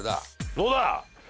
どうだ！